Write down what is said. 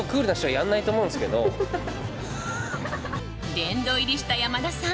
殿堂入りした山田さん。